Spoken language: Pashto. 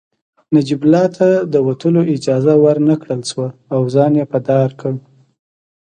نجیب الله ته د وتلو اجازه ورنکړل شوه او ځان يې په دار کړ